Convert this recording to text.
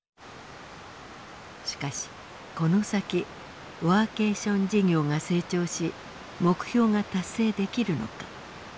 しかしこの先ワーケーション事業が成長し目標が達成できるのか。